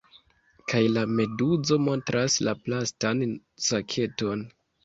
Kaj la meduzo montras la plastan saketon.